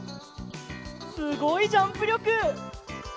すごいジャンプりょく！